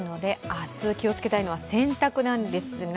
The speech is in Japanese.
明日気を付けたいのは洗濯なんですが